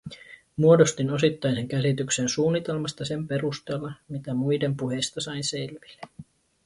Muodostin osittaisen käsityksen suunnitelmasta sen perusteella, mitä muiden puheista sain selville.